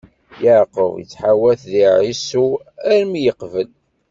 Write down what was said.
Yeɛqub ittḥawat di Ɛisu armi i yeqbel.